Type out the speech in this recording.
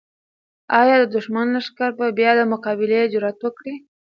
آیا د دښمن لښکر به بیا د مقابلې جرات وکړي؟